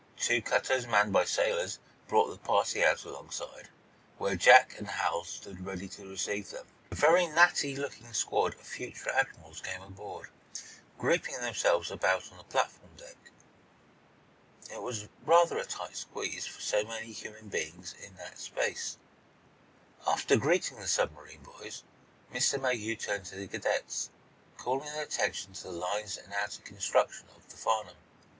Two cutters manned by sailors brought the party out alongside, where Jack and Hal stood ready to receive them. A very natty looking squad of future admirals came aboard, grouping themselves about on the platform deck. It was rather a tight squeeze for so many human beings in that space. After greeting the submarine boys, Mr. Mayhew turned to the cadets, calling their attention to the lines and outer construction of the "Farnum."